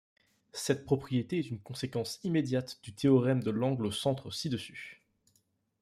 Cette propriété est une conséquence immédiate du théorème de l'angle au centre ci-dessus.